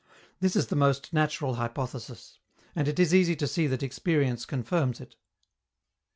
This is the most natural hypothesis. And it is easy to see that experience confirms it.